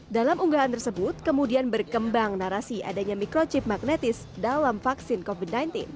dalam unggahan tersebut kemudian berkembang narasi adanya mikrochip magnetis dalam vaksin covid sembilan belas